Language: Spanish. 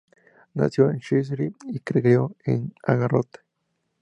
Nació en Cheshire y se crio en Harrogate.